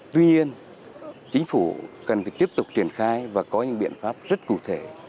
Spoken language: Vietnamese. tuy nhiên chính phủ cần phải tiếp tục triển khai và có những biện pháp rất cụ thể